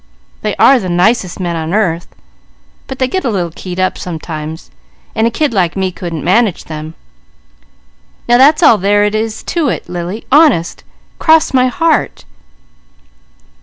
They are the nicest men on earth, but they get a little keyed up sometimes, and a kid like me couldn't keep even. Now that's all there is to it, Lily, honest, cross my heart!